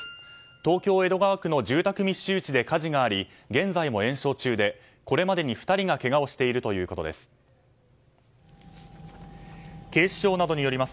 東京・江戸川区の住宅密集地で火事があり現在も延焼中でこれまでに２人がけがをしているということです。